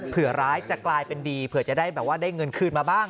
ร้ายจะกลายเป็นดีเผื่อจะได้แบบว่าได้เงินคืนมาบ้าง